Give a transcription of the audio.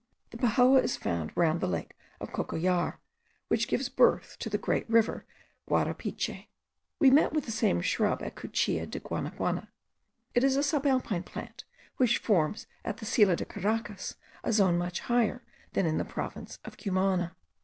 The pejoa is found round the lake of Cocollar, which gives birth to the great river Guarapiche. We met with the same shrub at the Cuchilla de Guanaguana. It is a subalpine plant, which forms at the Silla de Caracas a zone much higher than in the province of Cumana.